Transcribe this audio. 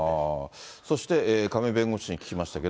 そして亀井弁護士に聞きましたけど。